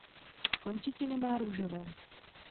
Končetiny má růžové.